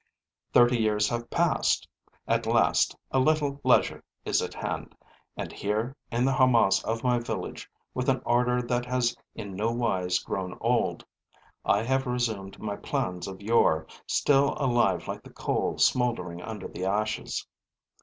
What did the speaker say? Thirty years have passed; at last, a little leisure is at hand; and here, in the harmas of my village, with an ardor that has in no wise grown old, I have resumed my plans of yore, still alive like the coal smoldering under the ashes.